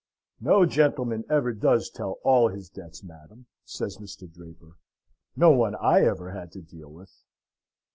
"No gentleman ever does tell all his debts, madam," says Mr. Draper; "no one I ever had to deal with."